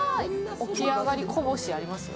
起き上がりこぼしありますよ。